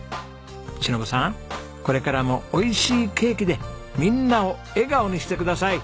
忍さんこれからも美味しいケーキでみんなを笑顔にしてください。